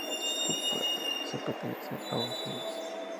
Su pase pertenece a O'Higgins.